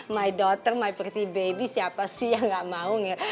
my daughter my pretty baby siapa sih yang gak mau ngeri